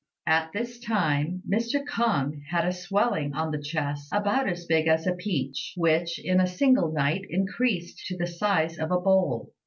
At this time Mr. K'ung had a swelling on the chest about as big as a peach, which, in a single night, increased to the size of a bowl.